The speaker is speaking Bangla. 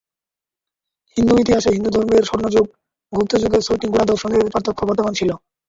হিন্দু ইতিহাসে, হিন্দু ধর্মের "স্বর্ণযুগ" গুপ্ত যুগে ছয়টি গোঁড়া দর্শনের পার্থক্য বর্তমান ছিল।